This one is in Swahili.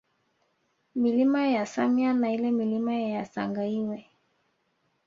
Milima ya Samya na ile Milima ya Sangaiwe